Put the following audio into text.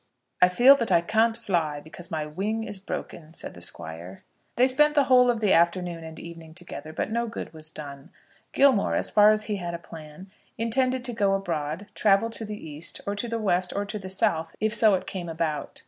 "I feel that I can't fly because my wing is broken," said the Squire. They spent the whole of the afternoon and evening together, but no good was done. Gilmore, as far as he had a plan, intended to go abroad, travel to the East, or to the West, or to the South, if so it came about.